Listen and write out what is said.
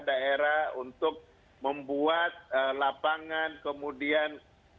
daerah untuk membuat lapangan kemudian